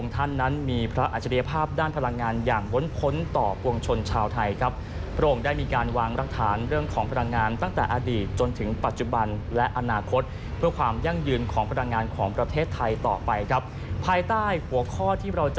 ติดตามเรื่องนี้ได้จากคุณทัศนัยค่ะ